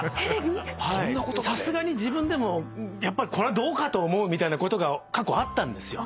さすがに自分でもこれはどうかと思うみたいなこと過去あったんですよ。